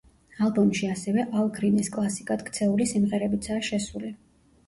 ალბომში ასევე, ალ გრინის კლასიკად ქცეული სიმღერებიცაა შესული.